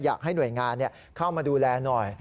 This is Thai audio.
อยากให้หน่วยงานเข้ามาดูแลหน่อย